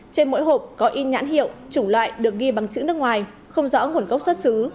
trên mỗi hộp có in nhãn hiệu chủng loại được ghi bằng chữ nước ngoài không rõ nguồn gốc xuất xứ